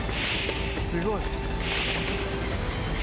すごい！